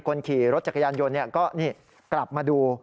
คนขี่รถจักรยานยนต์ก็กลับมาดู